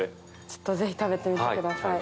ちょっとぜひ食べてみてください。